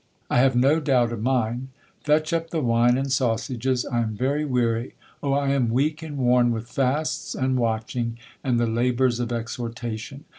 —I have no doubt of mine—fetch up the wine and sausages—I am very weary—Oh I am weak and worn with fasts and watching, and the labours of exhortation.